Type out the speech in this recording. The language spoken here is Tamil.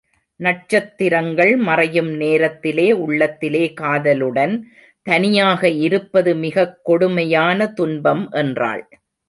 நட்சத்திரங்கள் மறையும் நேரத்திலே உள்ளத்திலே காதலுடன் தனியாக இருப்பது மிகக் கொடுமையான துன்பம் என்றாள்.